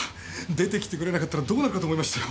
出てきてくれなかったらどうなるかと思いましたよ。